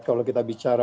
kalau kita bicara